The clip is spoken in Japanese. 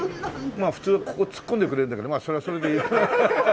まあ普通ここツッコんでくれるんだけどそれはそれでいい。